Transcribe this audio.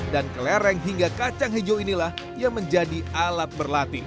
dan kelereng hingga kacang hijau inilah yang menjadi alat berlatih